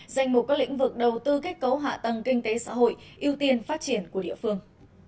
danh mục các lĩnh vực đầu tư kết cấu hạ tầng kinh tế xã hội ưu tiên phát triển của địa phương